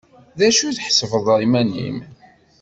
D acu i tḥesbeḍ iman-im?